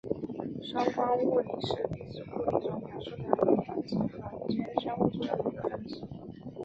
双光子物理是粒子物理学中描述两个光子间相互作用的一个分支。